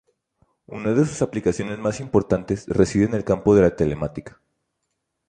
Una de sus aplicaciones más importantes reside en el campo de la telemática.